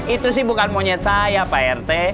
itu sih bukan monyet saya pak rt